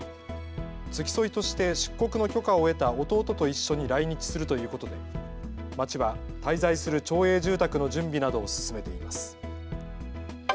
付き添いとして出国の許可を得た弟と一緒に来日するということで町は滞在する町営住宅の準備などを進めています。